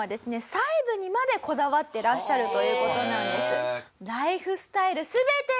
細部にまでこだわってらっしゃるという事なんです。